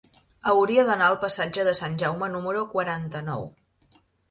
Hauria d'anar al passatge de Sant Jaume número quaranta-nou.